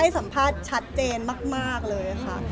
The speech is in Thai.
สัมภาษณ์ชัดเจนมากเลยค่ะ